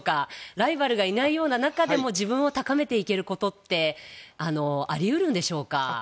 ライバルがいないような中でも自分を高めていけることってあり得るんでしょうか。